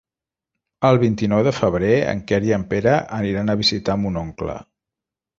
El vint-i-nou de febrer en Quer i en Pere aniran a visitar mon oncle.